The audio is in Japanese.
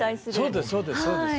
そうですそうですそうです。